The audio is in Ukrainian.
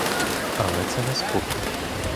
Але це не спокій.